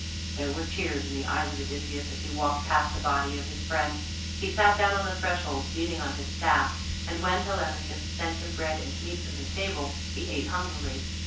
There were tears in the eyes of Odysseus as he walked past the body of his friend. He sat down on the threshold leaning on his staff, and when Telemachus sent him bread and meat from his table he ate hungrily.